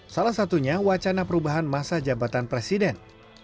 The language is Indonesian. salah satunya wacana perubahan masa jabatan presiden